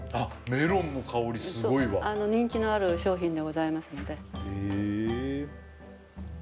メロンの香りすごいわ人気のある商品でございますのでへえ